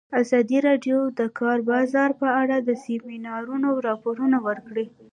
ازادي راډیو د د کار بازار په اړه د سیمینارونو راپورونه ورکړي.